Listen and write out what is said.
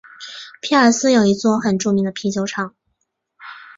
皮尔斯有一座很著名的啤酒厂。